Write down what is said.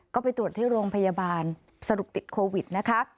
ก็ไปตรวจที่โรงพยาบาลสรุปติดโควิดนะคะ